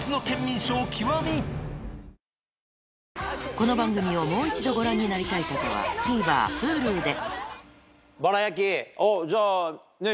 この番組をもう一度ご覧になりたい方はＴＶｅｒＨｕｌｕでじゃあ。